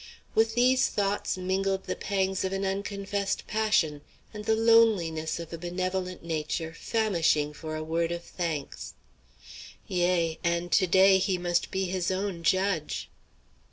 With these thoughts mingled the pangs of an unconfessed passion and the loneliness of a benevolent nature famishing for a word of thanks. Yea, and to day he must be his own judge.